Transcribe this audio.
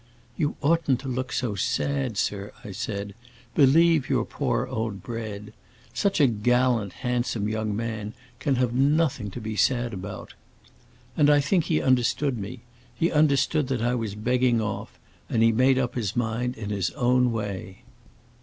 'You oughtn't to look so sad, sir,' I said; 'believe your poor old Bread. Such a gallant, handsome young man can have nothing to be sad about.' And I think he understood me; he understood that I was begging off, and he made up his mind in his own way.